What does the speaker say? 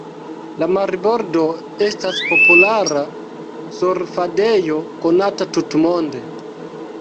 La marbordo estas populara surfadejo konata tutmonde.